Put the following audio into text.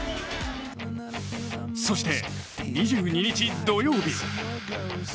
そして、２２日土曜日。